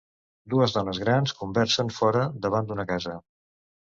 Dues dones grans conversen fora, davant d'una casa.